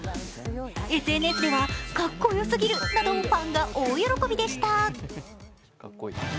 ＳＮＳでは、かっこよすぎるなどファンが大喜びでした。